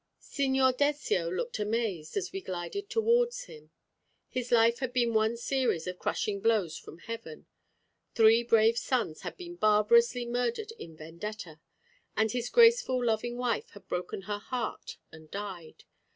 Signor Dezio looked amazed, as we glided towards him. His life had been one series of crushing blows from heaven. Three brave sons had been barbarously murdered in Vendetta, and his graceful loving wife had broken her heart and died.